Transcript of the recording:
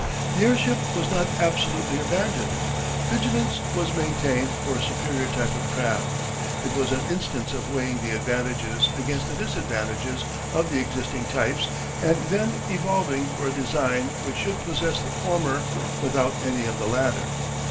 The airship was not absolutely abandoned: vigilance was maintained for a superior type of craft. It was an instance of weighing the advantages against the disadvantages of the existing types and then evolving for a design which should possess the former without any of the latter.